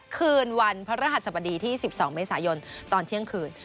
คืนวันพระรหัสบดีที่๑๒เมษายนตอนเที่ยงคืน